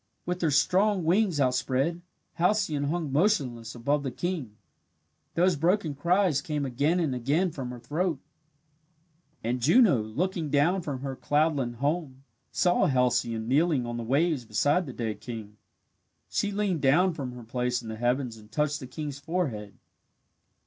With her strong wings outspread, Halcyone hung motionless above the king. Those broken cries came again and again from her throat. And Juno, looking down from her cloudland home, saw Halcyone kneeling on the waves beside the dead king. She leaned down from her place in the heavens and touched the king's forehead.